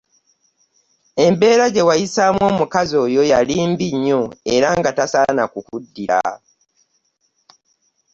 Embeera gye wayisaamu omukazi oyo yali mbi nnyo era tasaana kukuddira.